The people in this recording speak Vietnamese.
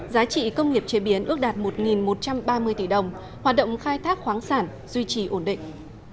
giá trị công nghiệp chế biến ước đạt một một trăm ba mươi tỷ đồng hoạt động khai thác khoáng sản duy trì ổn định